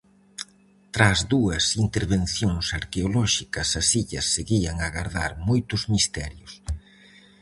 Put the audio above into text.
Tras dúas intervencións arqueolóxicas, as illas seguían a gardar moitos misterios.